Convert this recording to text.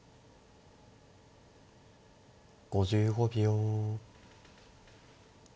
５５秒。